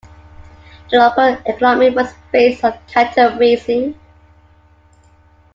The local economy was based on cattle raising.